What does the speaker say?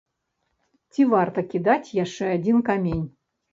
Ці варта кідаць яшчэ адзін камень?